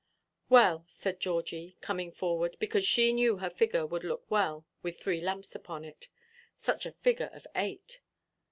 "Well," said Georgie, coming forward, because she knew her figure would look well with three lamps upon it; such a figure of eight!